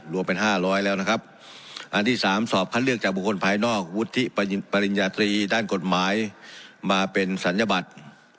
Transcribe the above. รวมเป็นห้าร้อยแล้วนะครับอันที่สามสอบคัดเลือกจากบุคคลภายนอกวุฒิปริญญาตรีด้านกฎหมายมาเป็นศัลยบัตร